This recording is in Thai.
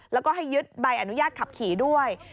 แล้วก็ให้ยึดใบอนุญาตขับขี่ด้วย